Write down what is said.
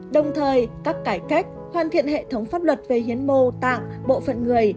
đồng thời các cải cách hoàn thiện hệ thống pháp luật về hiến mô tạng bộ phận người